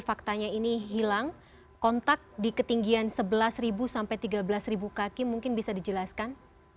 faktanya ini hilang kontak di ketinggian sebelas sampai tiga belas kaki mungkin bisa dijelaskan